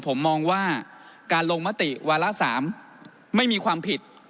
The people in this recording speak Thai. ผมมองว่าการลงมติวาระ๓ไม่มีความผิด